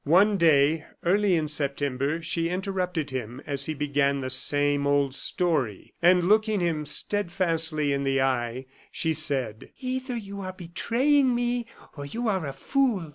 One day, early in September, she interrupted him as he began the same old story, and, looking him steadfastly in the eye, she said: "Either you are betraying me, or you are a fool.